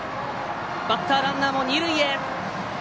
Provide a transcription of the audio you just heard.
バッターランナーも二塁へ。